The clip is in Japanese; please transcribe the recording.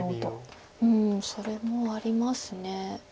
それもあります。